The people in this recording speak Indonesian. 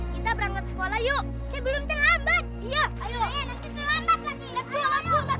kita berangkat sekolah yuk sebelum terlambat